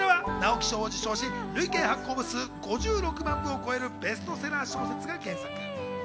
直木賞を受賞し、累計発行部数５６万部を超えるベストセラー小説が原作。